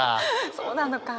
そうなのかあ。